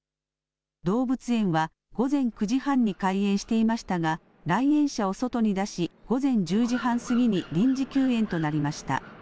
動物園は午前９時半に開園していましたが来園者を外に出し午前１０時半過ぎに臨時休園となりました。